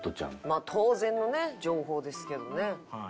まあ当然のね情報ですけどね。